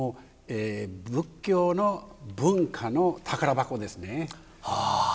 仏教の文化の宝箱ですね。